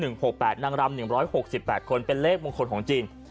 นางรำ๑๖๘คนเป็นเลขมงคลของจีน